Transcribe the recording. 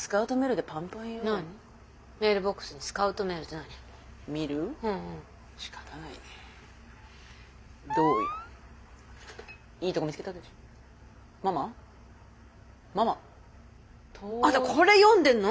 あんたこれ読んでんの！？